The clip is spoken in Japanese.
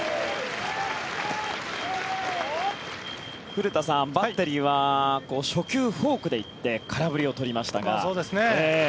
古田さん、バッテリーは初球、フォークで行って空振りを取りましたが。